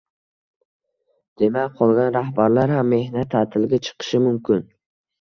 Demak, qolgan rahbarlar ham mehnat taʼtiliga chiqishi mumkin.